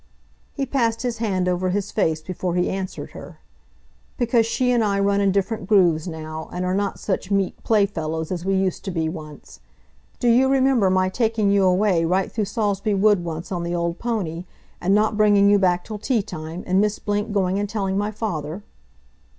He passed his hand over his face before he answered her. "Because she and I run in different grooves now, and are not such meet playfellows as we used to be once. Do you remember my taking you away right through Saulsby Wood once on the old pony, and not bringing you back till tea time, and Miss Blink going and telling my father?"